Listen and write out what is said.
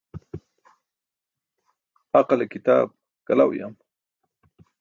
Aqale kitaap kala uyam.